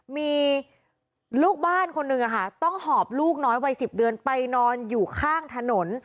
มีลูกบ้านคนหนึ่งต้องหอบลูกน้อยวัย๑๐เดือนไปนอนอยู่ข้างถนน